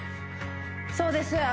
そうです